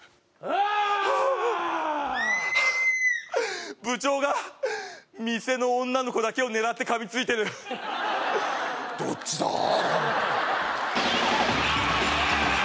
ああっ部長が店の女の子だけを狙って噛みついてるどっちだー？